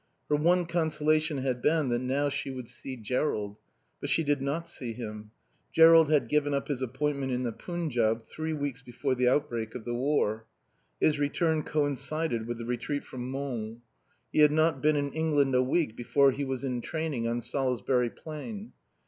Her one consolation had been that now she would see Jerrold. But she did not see him. Jerrold had given up his appointment in the Punjaub three weeks before the outbreak of the war. His return coincided with the retreat from Mons. He had not been in England a week before he was in training on Salisbury Plain.